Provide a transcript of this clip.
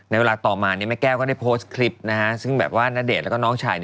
เวลาต่อมาแม่แก้วก็ได้โพสต์คลิปซึ่งแบบว่าณเดชน์แล้วก็น้องชาย